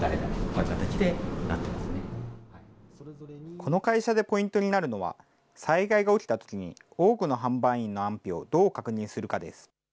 この会社でポイントになるのは、災害が起きたときに、多くの販売員の安否をどう確認するかです。